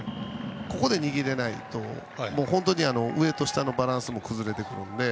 うまく握れないと本当に上と下のバランスも崩れてくるので。